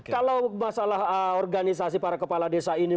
kalau masalah organisasi para kepala desa ini